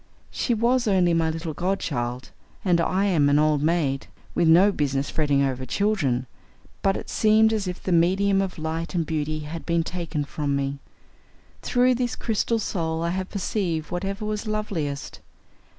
She was only my little godchild, and I am an old maid, with no business fretting over children, but it seemed as if the medium of light and beauty had been taken from me. Through this crystal soul I had perceived whatever was loveliest.